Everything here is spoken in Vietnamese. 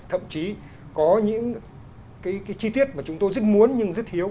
thậm chí có những cái chi tiết mà chúng tôi rất muốn nhưng rất thiếu